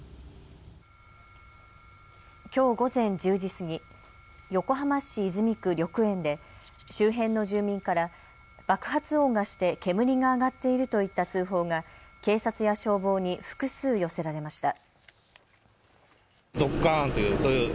きょう午前１０時過ぎ、横浜市泉区緑園で周辺の住民から爆発音がして煙が上がっているといった通報が警察や消防に複数寄せられました。